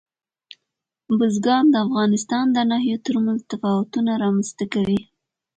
بزګان د افغانستان د ناحیو ترمنځ تفاوتونه رامنځ ته کوي.